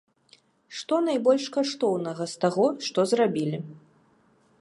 Што найбольш каштоўнага, з таго, што зрабілі?